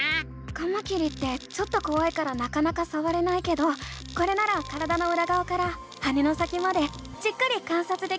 カマキリってちょっとこわいからなかなかさわれないけどこれなら体のうらがわから羽の先までじっくり観察できるね！